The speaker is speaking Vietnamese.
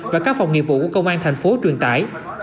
và các phòng nghiệp vụ của công an thành phố truyền tải